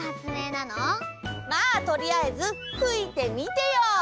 まあとりあえずふいてみてよ！